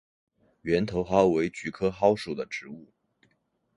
圆头蒿为菊科蒿属的植物。